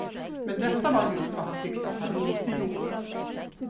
Men detta var just vad han tyckte att han inte gjorde.